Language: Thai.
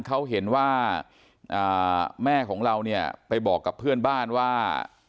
เขาเห็นว่าแม่ของเราเนี่ยไปบอกกับเพื่อนบ้านว่า